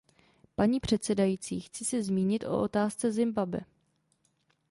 Paní předsedající, chci se zmínit o otázce Zimbabwe.